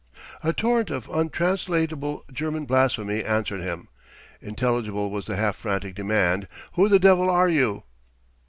A torrent of untranslatable German blasphemy answered him. Intelligible was the half frantic demand: "Who the devil are you?"